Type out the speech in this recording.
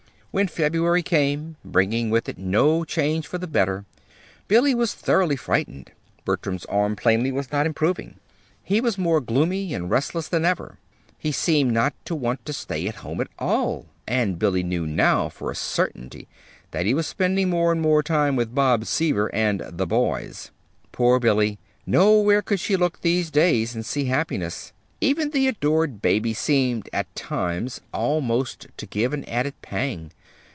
When February came, bringing with it no change for the better, Billy was thoroughly frightened. Bertram's arm plainly was not improving. He was more gloomy and restless than ever. He seemed not to want to stay at home at all; and Billy knew now for a certainty that he was spending more and more time with Bob Seaver and "the boys." Poor Billy! Nowhere could she look these days and see happiness. Even the adored baby seemed, at times, almost to give an added pang.